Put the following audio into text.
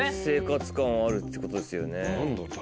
生活感はあるってことですよね。